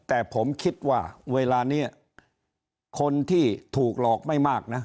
แต่ผมคิดว่าเวลานี้คนที่ถูกหลอกไม่มากนะ